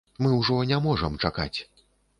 Мы ўжо не можам чакаць.